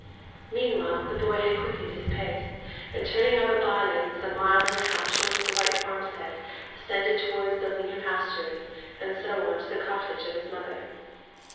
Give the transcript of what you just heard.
Meanwhile the boy had quickened his pace, and turning up a by lane some mile and half short of the white farmstead, ascended towards the leaner pastures, and so on to the cottage of his mother.